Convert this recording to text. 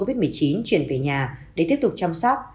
nếu đối tượng covid một mươi chín chuyển về nhà để tiếp tục chăm sóc